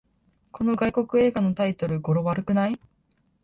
この外国映画のタイトル、語呂悪くない？